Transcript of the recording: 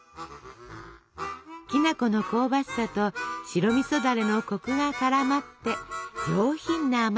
きな粉の香ばしさと白みそだれのコクが絡まって上品な甘さに。